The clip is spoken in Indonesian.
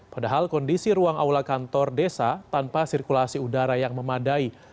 padahal kondisi ruang aula kantor desa tanpa sirkulasi udara yang memadai